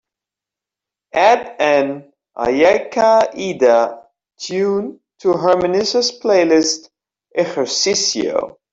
Add an Ayaka Iida tune to herminia's playlist ejercicio